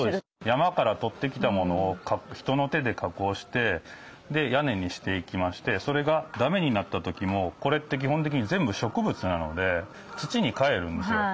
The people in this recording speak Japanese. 山から取ってきたものを人の手で加工して屋根にしていきましてそれがだめになった時もこれって基本的に全部植物なので土にかえるんですよ。